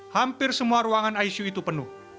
hampir semua ruangan icu itu penuh